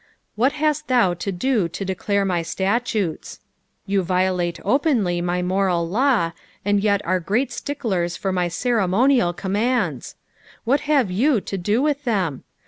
'^What hatt thou to do to declare my itattiteit" You violate openly my moral law, and yet are great sticklertt for my ceremonial commands ! what have you to do with them